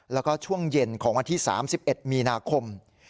แล้วก็ช่วงเย็นของวันที่๓๑มีนาคม